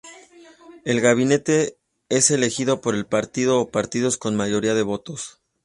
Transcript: El gabinete es elegido por el partido o partidos con mayoría de votos.